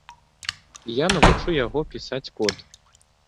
І я навучу яго пісаць код.